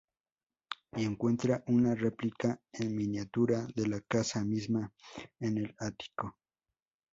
Y encuentra una replica en miniatura de la casa misma en el ático.